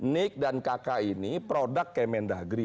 nik dan kakak ini produk kemendagri